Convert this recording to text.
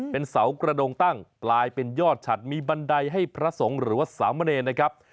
เป็นเสากระดงตั้งกลายเป็นยอดฉัดมีบันไดให้พระสงฆ์หรือว่าสามเณรนะครับ